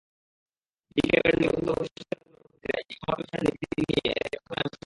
ই-ক্যাবের নিবন্ধিত প্রতিষ্ঠানগুলোর প্রতিনিধিরা ই-কমার্স ব্যবসার নীতি নিয়ে এতে আলোচনায় অংশ নেবেন।